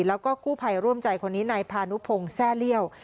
แล้วก็กู้ภัยร่วมใจคนนี้นายพานุพงศ์แซ่เลี่ยว